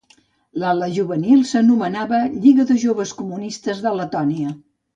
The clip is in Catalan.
L'ala juvenil s'anomenava Lliga de Joves Comunistes de Letònia.